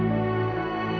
terima kasih ya